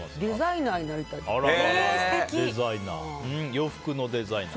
洋服のデザイナー？